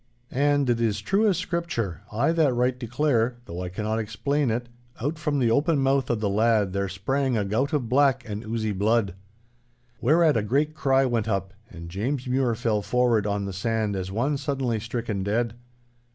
And, it is true as Scripture, I that write declare (though I cannot explain) it, out from the open mouth of the lad there sprang a gout of black and oozy blood. Whereat a great cry went up and James Mure fell forward oh the sand as one suddenly stricken dead.